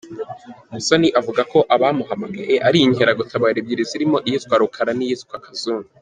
Musoni avuga ko abamuhamaye ari inkeragutabara ebyiri zirimo iyitwa Rukara n’ iyitwa Kazungu.